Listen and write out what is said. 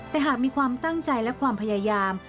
แต่หากมีความตั้งใจและความพยายาม